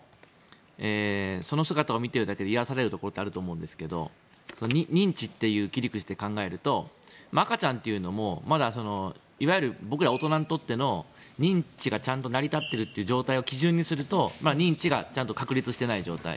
その姿を見てるだけで癒やされるところはあると思うんですが認知っていう切り口で考えると赤ちゃんっていうのもまだいわゆる僕ら大人にとっての認知がちゃんと成り立ってるという状態を基準にすると認知がちゃんと確立していない状態。